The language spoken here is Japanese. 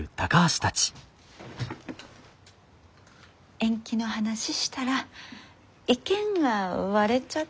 延期の話したら意見が割れちゃって。